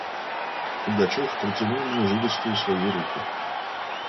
Пугачев протянул мне жилистую свою руку.